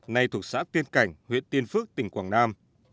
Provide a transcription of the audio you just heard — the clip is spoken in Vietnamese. nay thuộc xã tiên cảnh huyện tiên phước tỉnh quảng nam